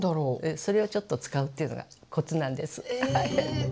それをちょっと使うというのがコツなんです。